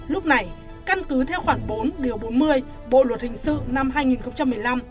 lúc này căn cứ theo khoảng bốn điều bốn mươi bộ luật hình sự năm hai nghìn một mươi năm